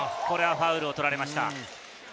ファウルを取られました。